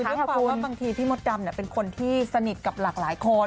คือเรื่องของว่าบางทีพี่มดดำเนี่ยเป็นคนที่สนิทกับหลากหลายคน